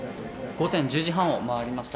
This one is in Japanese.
午前１０時半を回りました。